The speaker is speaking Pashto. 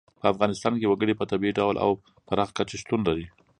په افغانستان کې وګړي په طبیعي ډول او پراخه کچه شتون لري.